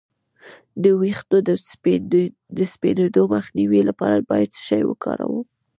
د ویښتو د سپینیدو مخنیوي لپاره باید څه شی وکاروم؟